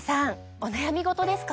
お悩み事ですか？